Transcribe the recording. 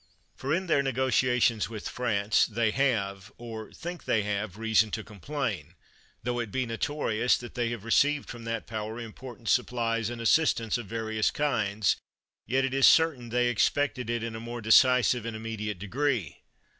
For in their negotiations with France, they have, or think they have, reason to complain; tho it be notorious that they have received from that power important supplies and assistance of various kinds, yet it is certain they expected it in a more decisive and immediate degree.